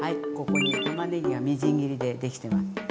ここにたまねぎがみじん切りでできてます。